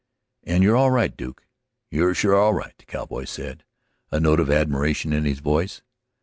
"And you're all right, Duke, you're sure all right," the cowboy said, a note of admiration in his voice.